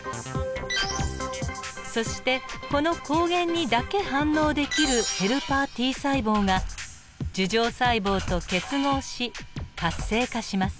そしてこの抗原にだけ反応できるヘルパーＴ細胞が樹状細胞と結合し活性化します。